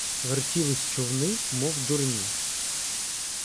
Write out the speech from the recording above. Вертілись човни, мов дурні.